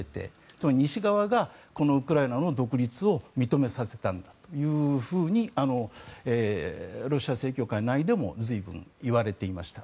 つまり、西側がこのウクライナの独立を認めさせたんだとロシア正教会内でも随分いわれていました。